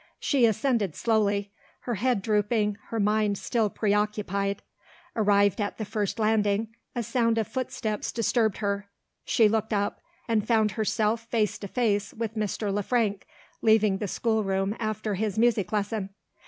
She ascended slowly; her head drooping, her mind still preoccupied. Arrived at the first landing, a sound of footsteps disturbed her. She looked up and found herself face to face with Mr. Le Frank, leaving the schoolroom after his music lesson.